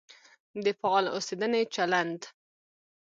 د فعال اوسېدنې چلند.